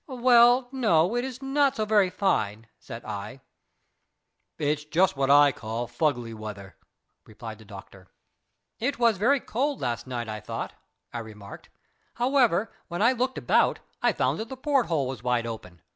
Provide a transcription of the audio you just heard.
"Well, no it is not so very fine," said I. "It's just what I call fuggly weather," replied the doctor. "It was very cold last night, I thought," I remarked. "However, when I looked about, I found that the porthole was wide open.